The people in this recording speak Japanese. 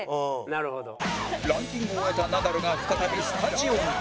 ランキングを終えたナダルが再びスタジオに